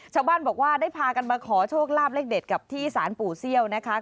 ชาวบ้านบอกว่าได้พากันมาขอโชคลาภเลขเด็ดกับที่สารปู่เซี่ยวนะคะ